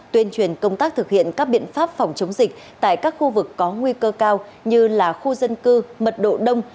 tuyên truyền công tác thực hiện các biện pháp phòng chống dịch tại các khu vực có nguy cơ cao như là khu dân cư mật độ đông